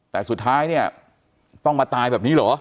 แต่สุดท้ายเนี่ยต้องมาตายแบบนี้เหรอ